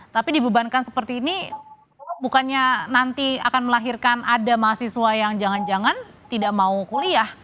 tapi dibebankan seperti ini bukannya nanti akan melahirkan ada mahasiswa yang jangan jangan tidak mau kuliah